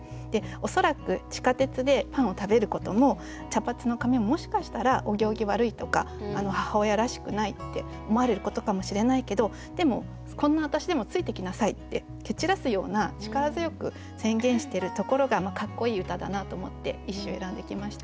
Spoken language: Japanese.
恐らく地下鉄でパンを食べることも茶髪の髪ももしかしたらお行儀悪いとか母親らしくないって思われることかもしれないけどでもこんな私でもついてきなさいって蹴散らすような力強く宣言してるところがかっこいい歌だなと思って１首選んできました。